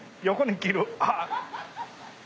あっ！